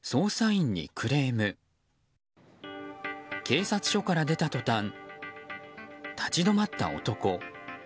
警察署から出たとたん立ち止まった男。